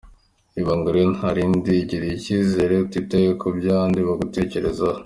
Ibanga rero nta rindi, igirire icyizere utitaye ku byo abandi bagutekerezaho”.